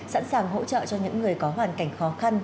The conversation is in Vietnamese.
sẵn sàng hỗ trợ cho những người có hoàn cảnh khó khăn